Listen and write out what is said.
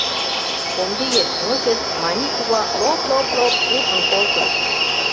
Комбигет-мочет, Маний кува лоп-лоп-лоп куржын колтыш.